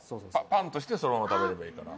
パンとしてそのまま食べればいいから。